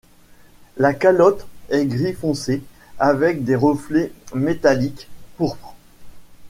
La calotte est gris foncé avec des reflets métalliques pourpres.